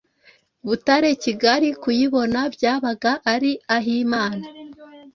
Butare-Kigali kuyibona byabaga ari ah’Imana,